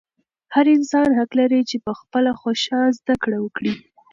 هر انسان حق لري چې په خپله خوښه زده کړه وکړي.